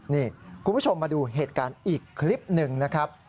นี่คุณผู้ชมมาดูเหตุการณ์อีกคลิปหนึ่งนะครับ